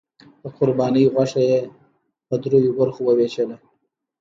د قربانۍ غوښه یې په دریو برخو وویشله.